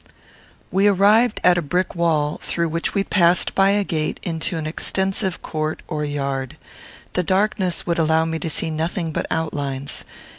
We arrived at a brick wall, through which we passed by a gate into an extensive court or yard. The darkness would allow me to see nothing but outlines.